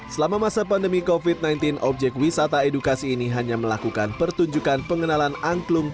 selama masa pandemi covid sembilan belas objek wisata edukasi ini hanya melakukan pertunjukan pengenalan angklung